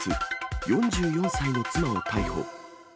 ４４歳の妻を逮捕。